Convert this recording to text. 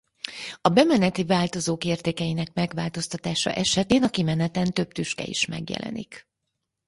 A bemeneti változók értékeinek megváltoztatása esetén a kimeneten több tüske is megjelenik.